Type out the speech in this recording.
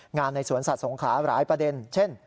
ในสวนสัตว์สงขลาหลายประเด็นเช่น